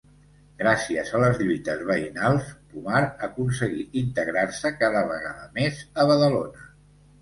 Gràcies a les lluites veïnals, Pomar aconseguí integrar-se cada vegada més a Badalona.